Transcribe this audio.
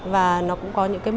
và nó cũng có những bông hoa